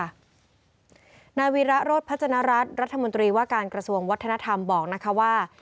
นายวีระโรธพัฒนรัฐรัฐรัฐมนตรีว่าการกระทรวงวัฒนธรรมบอกนะคะว่า